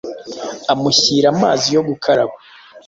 amushyira amazi yo gukaraba.